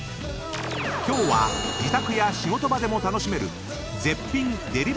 ［今日は自宅や仕事場でも楽しめる］